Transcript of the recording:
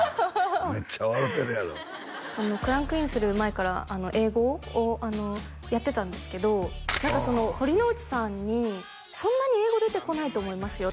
めっちゃ笑うてるやろクランクインする前から英語をやってたんですけど何かその堀之内さんに「そんなに英語出てこないと思いますよ」